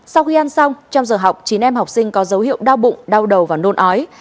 sau khi ăn xong trong giờ học chín em học sinh có dấu hiệu đau bụng đau đầu và nôn ói